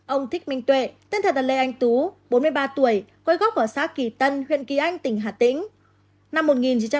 ông thích minh tuệ tên thật là lê anh tú bốn mươi ba tuổi quê gốc ở xã kỳ tân huyện kỳ anh tỉnh hà tĩnh